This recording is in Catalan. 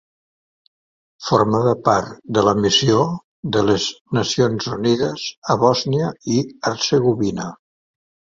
Formava part de la Missió de les Nacions Unides a Bòsnia i Hercegovina.